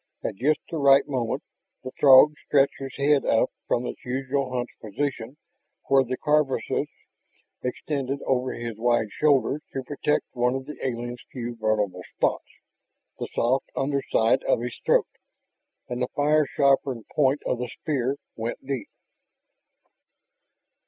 At just the right moment the Throg stretched his head up from the usual hunched position where the carapace extended over his wide shoulders to protect one of the alien's few vulnerable spots, the soft underside of his throat. And the fire sharpened point of the spear went deep.